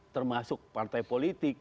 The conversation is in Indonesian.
termasuk partai politik